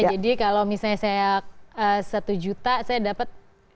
jadi kalau misalnya saya satu juta saya dapat